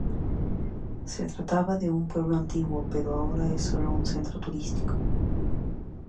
Se trataba de un pueblo antiguo, pero ahora es sólo un centro turístico.